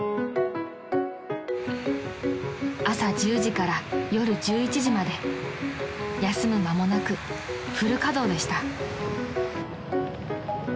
［朝１０時から夜１１時まで休む間もなくフル稼働でした］